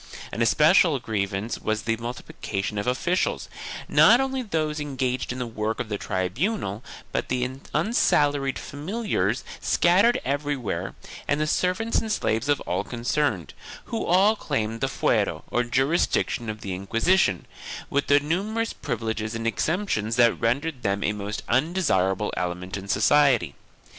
An especial grievance was the multiplication of officials — not only those engaged in the work of the tribunal but the unsalaried familiars scattered everywhere and the ser vants and slaves of all concerned, who all claimed the fuero, or jurisdiction of the Inquisition, with numerous privileges and exemptions that rendered them a most undesirable element in society.